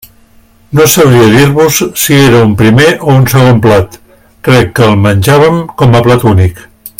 No sabria dir-vos si era un primer o un segon plat, crec que el menjàvem com a plat únic.